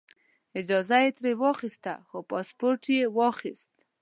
اجازه یې ترې واخیسته خو پاسپورټ یې واخیست.